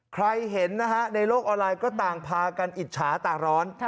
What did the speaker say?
ใครเห็นนะฮะในโลกออนไลน์ก็ต่างพากันอิจฉาต่างร้อน